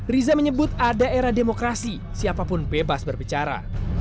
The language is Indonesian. riza menyebut ada era demokrasi siapapun bebas berbicara